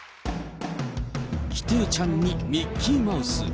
キティちゃんにミッキーマウス。